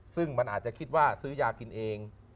ซึ่งมันอาจจะคิดว่าซื้อยากินเอง